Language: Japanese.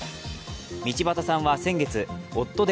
道端さんは先月、夫で